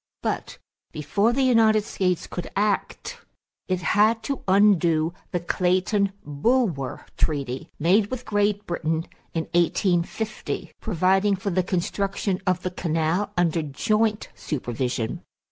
But before the United States could act it had to undo the Clayton Bulwer treaty, made with Great Britain in 1850, providing for the construction of the canal under joint supervision.